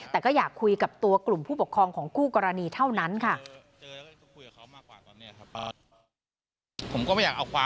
แต่ก็อยากคุยกับตัวกลุ่มผู้ปกครองของคู่กรณีเท่านั้นค่ะ